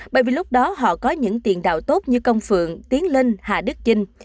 bởi vì lúc đó họ có những tiền tạo tốt như công phượng tiến linh hạ đức chinh